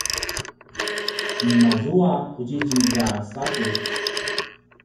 nima zua qudjidjilj a sapitj?